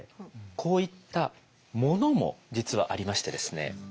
こういった物も実はありましてですね